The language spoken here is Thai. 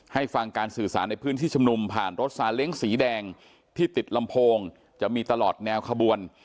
ให้ฟังการสื่อสารในพื้นที่ชุมนุมผ่านรถซาเล้งสีแดงที่ติดลำโพงจะมีตลอดแนวขบวน